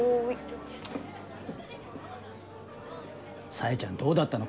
さえちゃんどうだったの？